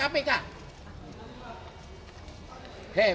ini pasukan senjata perang